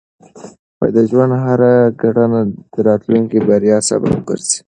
د ژوند هره کړنه د راتلونکي بریا سبب ګرځي.